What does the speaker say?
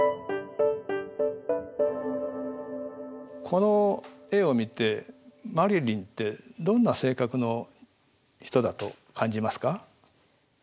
この絵を見てマリリンってどんな性格の人だと感じますか？